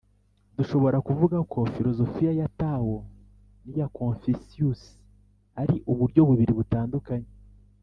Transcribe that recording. dushobora kuvuga ko filozofiya ya tao n’iya confucius ari uburyo bubiri butandukanye